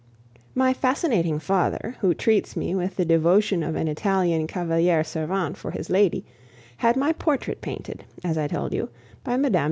My fascinating father, who treats me with the devotion of an Italian cavaliere servente for his lady, had my portrait painted, as I told you, by Mme.